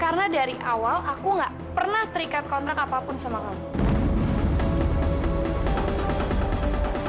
karena dari awal aku nggak pernah terikat kontrak apapun sama kamu